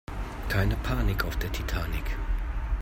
Keine Panik auf der Titanic